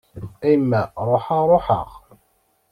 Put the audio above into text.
A yemma ruḥeɣ ruḥeɣ.